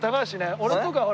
俺とかほら